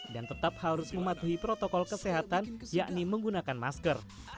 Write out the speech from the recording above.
tetap harus mematuhi protokol kesehatan yakni menggunakan masker